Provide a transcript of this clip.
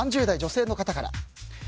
３０代女性の方から。